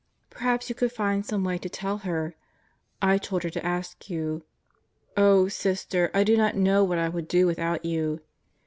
Perhaps you could find some way to tell her. I told her to ask you. Oh, Sister, I do not know what I would do without you.